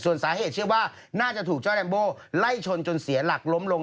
ส่วนสาเหตุเชื่อว่าน่าจะถูกเจ้าแรมโบไล่ชนจนเสียหลักล้มลง